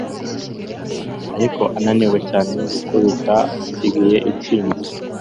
Ariko ananiwe cyane gukubita asigiye intsinzi